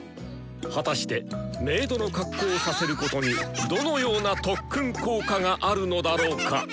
果たして給仕の格好をさせることにどのような特訓効果があるのだろうか！